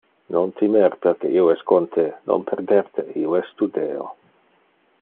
Non timer, perque io es con te; non perder te, io es tu Deo.